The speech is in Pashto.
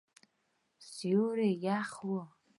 سیوری یخ وی